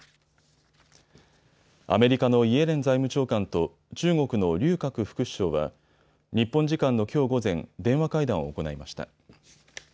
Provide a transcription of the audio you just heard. アメリカのイエレン財務長官と中国の劉鶴副首相は日本時間のきょう午前、電話会談を行いました。